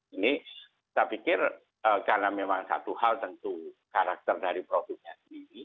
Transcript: ini saya pikir karena memang satu hal tentu karakter dari profitnya sendiri